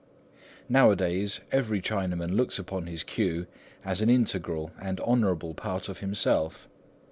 Nowadays every Chinaman looks upon his queue as an integral and honourable part of himself.